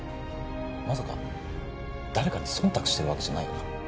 まさか誰かに忖度してるわけじゃないよな？